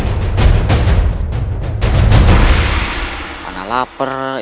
itu cuma keadaan habitat pertama